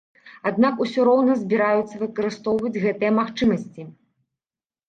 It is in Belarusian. Аднак усё роўна збіраюцца выкарыстоўваць гэтыя магчымасці.